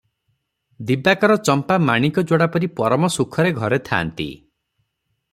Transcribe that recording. ଦିବାକର ଚମ୍ପା ମାଣିକଯୋଡ଼ା ପରି ପରମ ସୁଖରେ ଘରେ ଥାନ୍ତି ।